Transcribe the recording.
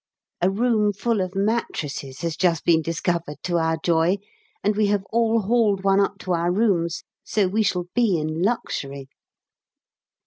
A room full of mattresses has just been discovered to our joy, and we have all hauled one up to our rooms, so we shall be in luxury.